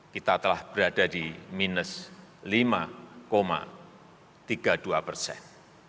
kita telah berada di minus lima tiga puluh dua persen